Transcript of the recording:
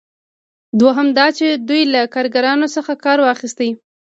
دوهم دا چې دوی له کاریګرانو څخه کار واخیست.